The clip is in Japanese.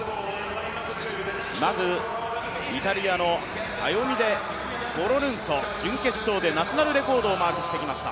まずイタリアのアヨミデ・フォロルンソ、準決勝でナショナルレコードをマークしてきました。